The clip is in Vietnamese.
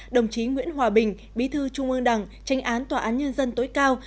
đồng chí nguyễn hòa bình bí thư trung ương đảng tranh án tòa án nhân dân tối cao